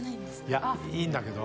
いやいいんだけど。